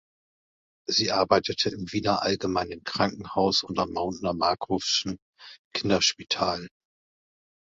Sie arbeitete im Wiener Allgemeinen Krankenhaus und am Mautner Markhof’schen Kinderspital.